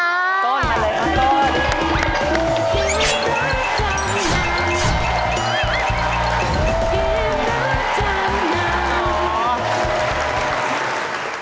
ต้นมาเลยครับต้น